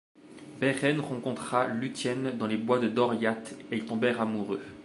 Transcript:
Beren rencontra Lúthien dans les bois de Doriath et ils tombèrent amoureux.